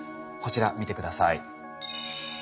こちら見て下さい。